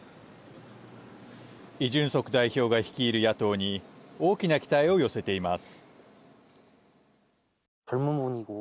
イ・ジュンソク代表が率いる野党に大きな期待を寄せています。